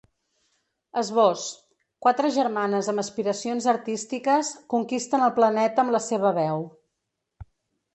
Esbós: Quatre germanes amb aspiracions artístiques conquisten el planeta amb la seva veu.